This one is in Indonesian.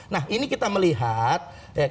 nah ini kita melihat